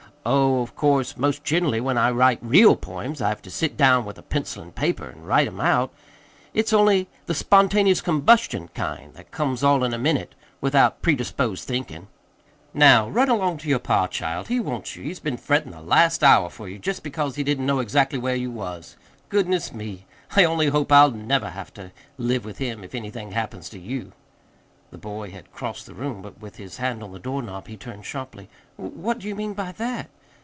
Oh, of course, most generally, when I write real poems, I have to sit down with a pencil an' paper, an' write 'em out. It's only the spontaneous combustion kind that comes all in a minute, without predisposed thinkin'. Now, run along to your pa, child. He wants you. He's been frettin' the last hour for you, jest because he didn't know exactly where you was. Goodness me! I only hope I'll never have to live with him if anything happens to you." The boy had crossed the room; but with his hand on the door knob he turned sharply. "W what do you mean by that?"